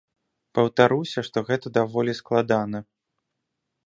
Паўтаруся, што гэта даволі складана.